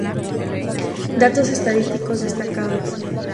Datos estadísticos destacados.